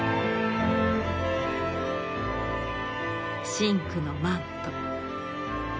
深紅のマント